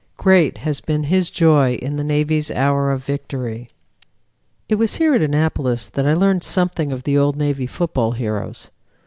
Great has been his joy in the Navy's hour of victory. It was here at Annapolis that I learned something of the old Navy football heroes.